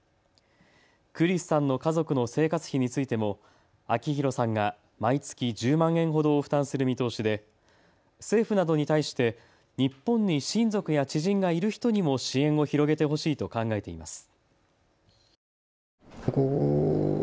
クリスさんの家族の生活費についても明宏さんが毎月１０万円ほどを負担する見通しで政府などに対して日本に親族や知人がいる人にも支援を広げてほしいと考えています。